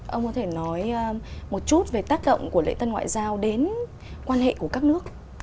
ông có thể nói một chút về tác động của lễ tân ngoại giao đến quan hệ của các nước